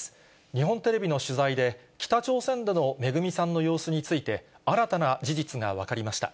日本テレビの取材で、北朝鮮でのめぐみさんの様子について、新たな事実が分かりました。